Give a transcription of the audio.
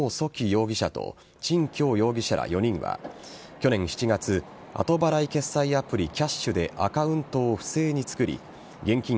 容疑者とチン・キョウ容疑者ら４人は去年７月、後払い決済アプリＫｙａｓｈでアカウントを不正に作り現金